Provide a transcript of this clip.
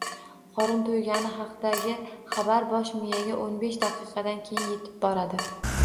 Qorin to‘ygani haqidagi xabar bosh miyaga o'n besh daqiqadan keyin yetib boradi.